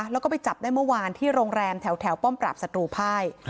แล้วก็ไปจับได้เมื่อวานที่โรงแรมแถวป้อมปราบศัตรูภาย